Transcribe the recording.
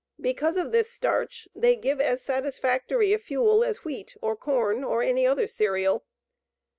Because of this starch, they give as satisfactory a fuel as wheat or corn or any other cereal.